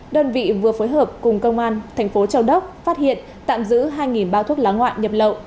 đơn vị vừa phối hợp cùng công an thành phố châu đốc phát hiện tạm giữ hai bao thuốc lá ngoại nhập lậu